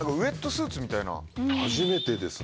初めてですね。